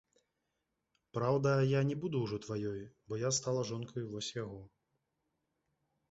Праўда, я не буду ўжо тваёю, бо я стала жонкаю вось яго.